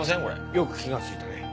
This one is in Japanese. よく気がついたね。